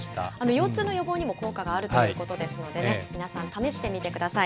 腰痛の予防にも効果があるということですので、皆さん、試してみてください。